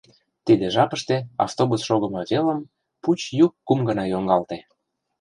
Тиде жапыште автобус шогымо велым пуч йӱк кум гана йоҥгалте.